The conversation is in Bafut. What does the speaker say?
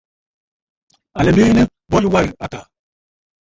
À lɛ biinə bo yu warə̀ àkàà.